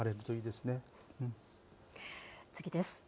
次です。